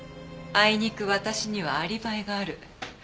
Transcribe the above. あいにく私にはアリバイがある。